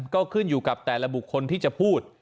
ก็ขึ้นอยู่กับแต่ละบุคคลที่จะพูด